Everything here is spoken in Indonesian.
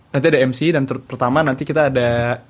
nanti ada mc dan pertama nanti kita ada